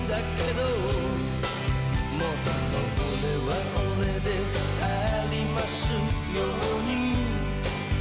「もっと俺は俺でありますように」